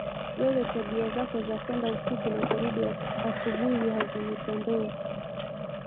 Wewe tabia zako za kwenda usiku na kurudi asubuhi hazinipendezi.